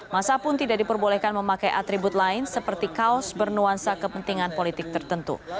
masa pun tidak diperbolehkan memakai atribut lain seperti kaos bernuansa kepentingan politik tertentu